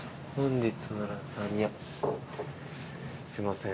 すいません。